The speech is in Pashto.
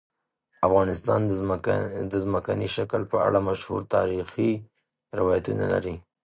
افغانستان د ځمکنی شکل په اړه مشهور تاریخی روایتونه لري.